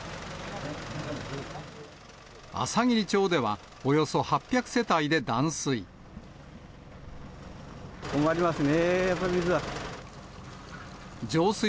あさぎり町では、およそ８００世帯で断水。